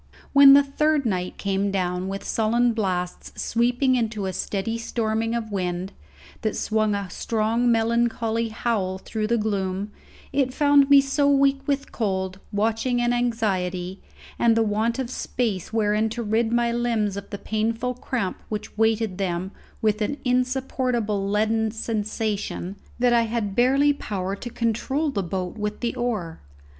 When the third night came down with sullen blasts sweeping into a steady storming of wind, that swung a strong melancholy howl through the gloom, it found me so weak with cold, watching, and anxiety, and the want of space wherein to rid my limbs of the painful cramp which weighted them with an insupportable leaden sensation, that I had barely power to control the boat with the oar.